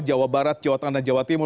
jawa barat jawa tengah dan jawa timur